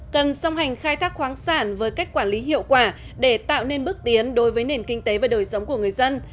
cần song hành khai thác khoáng sản với cách quản lý hiệu quả để tạo nên bước tiến đối với nền kinh tế và đời sống của người dân